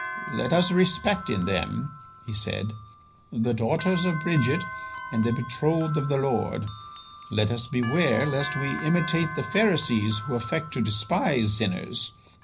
"Let us respect in them," he said, "the daughters of Bridget and the betrothed of the Lord. Let us beware lest we imitate the Pharisees who affect to despise sinners.